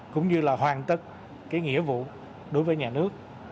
cũng như là hoàn tất cái nghĩa vụ đối với nhà nước